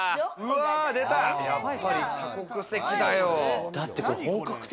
やっぱり多国籍だよ。